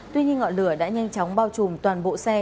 tuy nhiên ngọn lửa đã nhanh chóng bao trùm toàn bộ xe